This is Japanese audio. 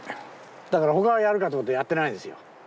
だから他はやるかというとやってないですよ。